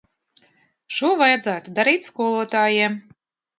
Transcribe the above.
Šo vajadzētu darīt skolotājiem.